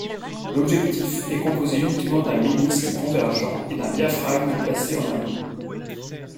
L'objectif est composé uniquement d'un ménisque convergent et d'un diaphragme placé en amont.